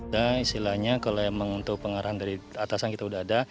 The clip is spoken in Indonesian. nah istilahnya kalau emang untuk pengarahan dari atasan kita sudah ada